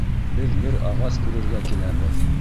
Беҙ бер ағас күрергә киләбеҙ.